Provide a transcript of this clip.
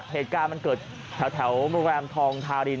เหตุการณ์มันเกิดแถวทรงทาริน